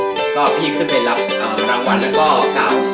พี่ก็ได้รับรางวัลแล้วก็กาวส์